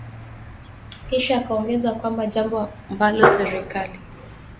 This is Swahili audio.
Kisha akaongeza kwamba jambo ambalo serikali